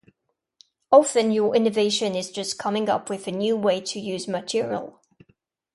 Often your innovation is just coming up with a new way to use material.